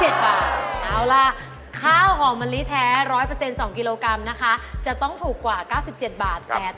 เอาล่ะข้าวหอมมะลิแท้๑๐๐๒กิโลกรัมนะคะจะต้องถูกกว่า๙๗บาท